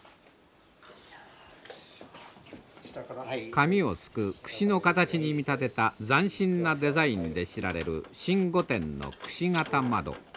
髪をすくの形に見立てた斬新なデザインで知られる新御殿の形窓。